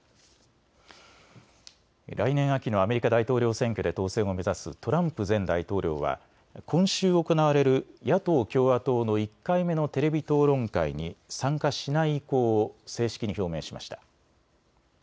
来年秋のアメリカ大統領選挙で当選を目指すトランプ前大統領は今週行われる野党・共和党の１回目のテレビ討論会に参加しない意向を正式に表明しました。